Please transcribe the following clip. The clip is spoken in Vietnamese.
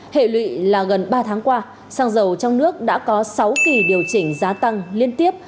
hệ lụy là gần ba tháng qua xăng dầu trong nước đã có sáu kỳ điều chỉnh giá tăng liên tiếp